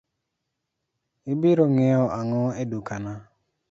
Ibiro ngiew ang'o e dukana?